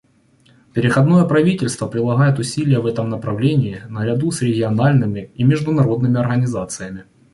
Переходное правительство прилагает усилия в этом направлении наряду с региональными и международными организациями.